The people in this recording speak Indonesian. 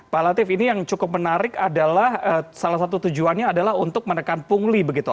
pak latif ini yang cukup menarik adalah salah satu tujuannya adalah untuk menekan pungli begitu